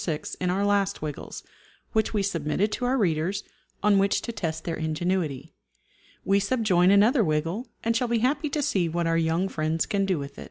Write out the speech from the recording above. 6 in our last Wiggles, which we submitted to our readers, on which to test their ingenuity. We subjoin another Wiggle, and shall be happy to see what our young friends can do with it.